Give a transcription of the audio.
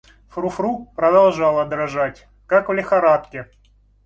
Фру-Фру продолжала дрожать, как в лихорадке.